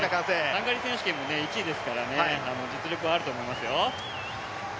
ハンガリー選手権も１位ですから実力があると思いますよ。